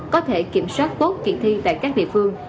có thể kiểm soát tốt kỳ thi tại các địa phương